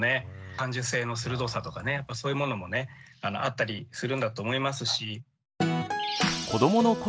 感受性の鋭さとかそういうものもねあったりするんだと思いますし。